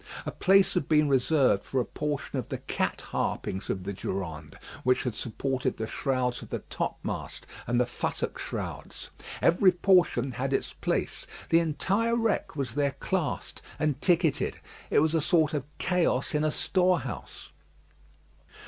A place had been reserved for a portion of the cat harpings of the Durande, which had supported the shrouds of the topmast and the futtock shrouds. Every portion had its place. The entire wreck was there classed and ticketed. It was a sort of chaos in a storehouse.